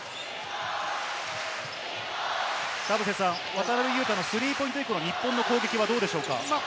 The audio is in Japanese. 渡邊雄太のスリーポイントの日本の攻撃はどうでしょうか。